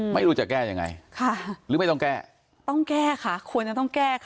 ไม่รู้จะแก้ยังไงค่ะหรือไม่ต้องแก้ต้องแก้ค่ะควรจะต้องแก้ค่ะ